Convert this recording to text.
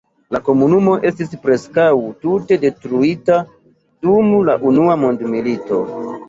La komunumo estis preskaŭ tute detruita dum la Unua mondmilito.